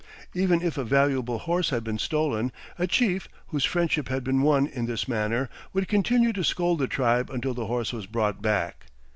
Even if a valuable horse had been stolen, a chief, whose friendship had been won in this manner, would continue to scold the tribe until the horse was brought back.